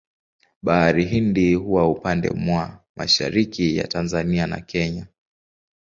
Bahari Hindi huwa upande mwa mashariki ya Tanzania na Kenya.